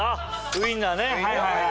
ウインナーね。